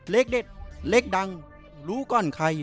เลขเด็ดเลขดังรู้ก่อนใคร